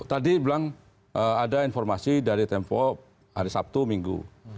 tadi bilang ada informasi dari tempo hari sabtu minggu